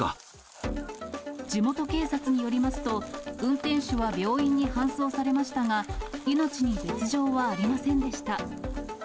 地元警察によりますと、運転手は病院に搬送されましたが、命に別状はありませんでした。